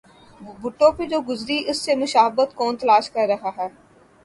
بھٹو پہ جو گزری اس سے مشابہت کون تلاش کر رہا ہے؟